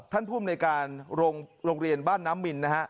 ภูมิในการโรงเรียนบ้านน้ำมินนะฮะ